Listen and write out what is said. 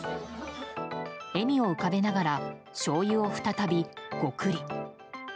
笑みを浮かべながらしょうゆを再びゴクリ。